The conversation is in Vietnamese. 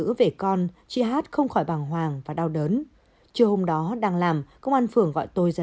mẹ con chị hát không khỏi bằng hoàng và đau đớn trưa hôm đó đang làm công an phường gọi tôi ra